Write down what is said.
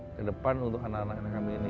ke depan untuk anak anak anak kami ini